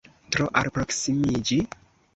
Tro alproksimiĝi?